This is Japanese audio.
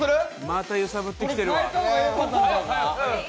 また揺さぶってきてるわ。